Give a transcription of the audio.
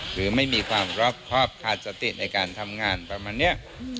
หรือไม่มีความรอบครอบขาดสติในการทำงานประมาณนี้